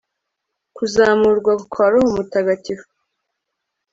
Kuzamurwa kwa roho mutagatifu